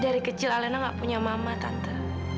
dari kecil alena gak punya mama tante